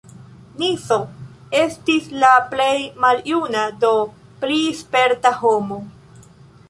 Nizo estis la plej maljuna, do pli sperta homo.